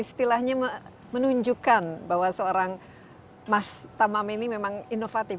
istilahnya menunjukkan bahwa seorang mas tamam ini memang inovatif